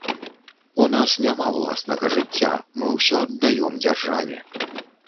У нас няма ўласнага жыцця, мы ўсё аддаём дзяржаве.